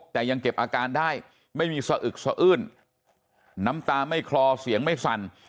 แต่ยังเก็บอาการได้ไม่มีสะอึกสะอื้นน้ำตาไม่คลอเสียงไม่สั่น